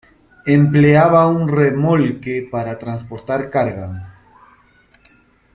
Empleaba un remolque para transportar carga.